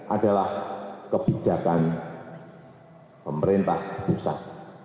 adalah kebijakan pemerintah besar